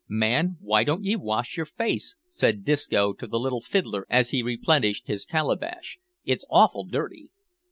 "Man, why don't ye wash yer face?" said Disco to the little fiddler as he replenished his calabash; "it's awful dirty."